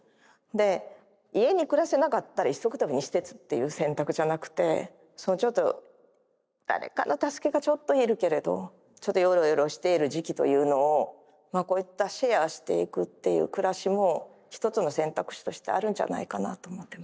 で家に暮らせなかったら一足飛びに施設っていう選択じゃなくてちょっと誰かの助けがちょっといるけれどちょっとよろよろしている時期というのをこういったシェアしていくっていう暮らしも一つの選択肢としてあるんじゃないかなと思ってます。